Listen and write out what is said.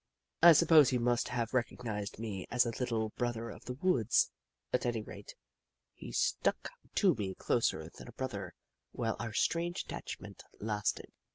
I suppose he must have re cognised me as a Little Brother of the Woods — at any rate, he stuck to me closer than a brother while our strange attachment lasted.